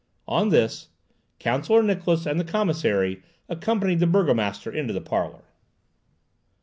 On this, Counsellor Niklausse and the commissary accompanied the burgomaster into the parlour.